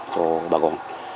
cho bà con